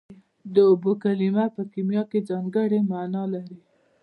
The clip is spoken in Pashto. د اوبو کلمه په کیمیا کې ځانګړې مانا لري